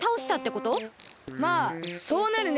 まあそうなるね。